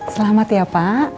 selamat ya pak